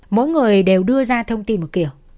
mỗi người đều đưa ra thông tin một kiểu